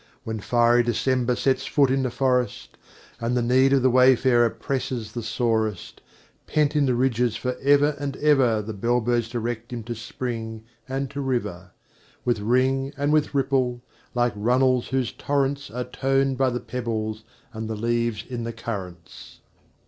When fiery December sets foot in the forest, And the need of the wayfarer presses the sorest, Pent in the ridges for ever and ever The bell birds direct him to spring and to river, With ring and with ripple, like runnels who torrents Are toned by the pebbles and the leaves in the currents.